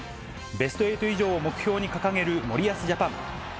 ベスト８以上を目標に掲げる森保ジャパン。